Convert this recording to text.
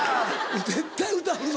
絶対歌うぞ